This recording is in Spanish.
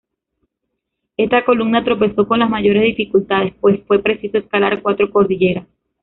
Esta columna tropezó con las mayores dificultades, pues fue preciso escalar cuatro cordilleras.